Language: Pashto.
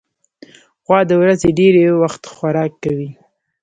غوا د ورځې ډېری وخت خوراک کوي.